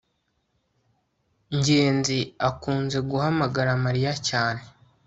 ngenzi akunze guhamagara mariya cyane